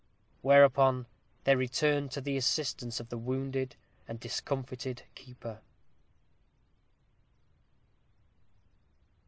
Whereupon they returned to the assistance of the wounded and discomfited keeper.